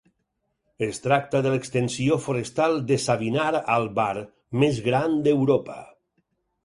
Es tracta de l'extensió forestal de Savinar Albar més gran d'Europa.